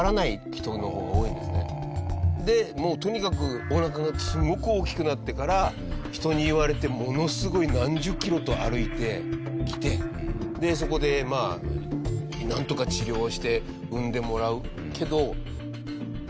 でもうとにかくおなかがすごく大きくなってから人に言われてものすごい何十キロと歩いて来てそこでまあなんとか治療して産んでもらうけど。